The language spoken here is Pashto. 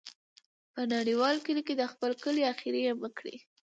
په نړیوال کلي کې د خپل کلی ، اخر یې مه کړې.